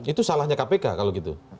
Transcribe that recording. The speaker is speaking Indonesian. itu salahnya kpk kalau gitu